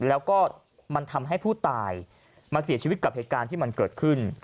แล้วก็มันทำให้ผู้ตายมาเสียชีวิตกับเหตุการณ์ที่มันเกิดขึ้น